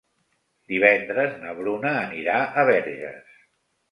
Divendres na Bruna anirà a Verges.